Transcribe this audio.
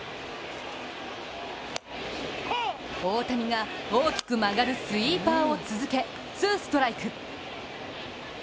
大谷が大きく曲がるスイーパーを続けツーストライク。